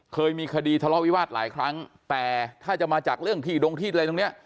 เคยมีคดีทะเลาะวิวาสหลายครั้งแต่ถ้าจะมาจากเรื่องที่ดงที่อะไรตรงเนี้ย